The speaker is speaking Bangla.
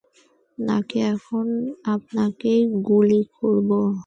নাকি, এখন আপনাকেই গুলি করব?